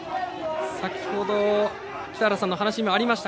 先ほど、北原さんの話にもありました